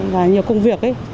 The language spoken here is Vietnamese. và nhiều công việc ý